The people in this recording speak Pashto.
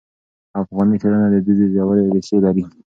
افغاني ټولنه دودیزې ژورې ریښې لري.